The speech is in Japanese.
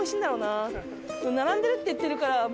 並んでるって言ってるから。